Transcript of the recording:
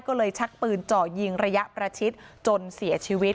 ก็เลยชักปืนเจาะยิงระยะประชิดจนเสียชีวิต